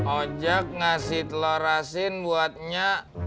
ojak ngasih telur asin buat nya